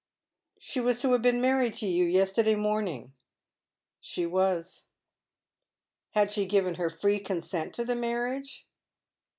" She was to have been married to you yesterday morning ?"« She was." *' Had she given her fi ee consent to the marriage